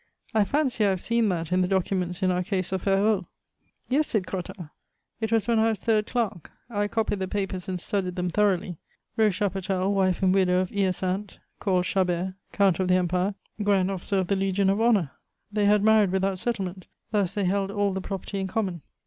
I fancy I have seen that in the documents in our case of Ferraud." "Yes," said Crottat. "It was when I was third clerk; I copied the papers and studied them thoroughly. Rose Chapotel, wife and widow of Hyacinthe, called Chabert, Count of the Empire, grand officer of the Legion of Honor. They had married without settlement; thus, they held all the property in common.